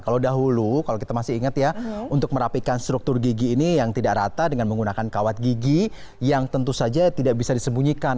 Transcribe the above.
kalau dahulu kalau kita masih ingat ya untuk merapikan struktur gigi ini yang tidak rata dengan menggunakan kawat gigi yang tentu saja tidak bisa disembunyikan